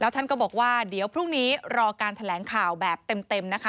ท่านก็บอกว่าเดี๋ยวพรุ่งนี้รอการแถลงข่าวแบบเต็มนะคะ